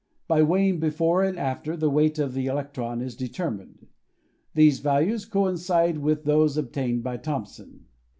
By weighing before and after, the weight of the electron is determined. These values coincide with those obtained by Thomson.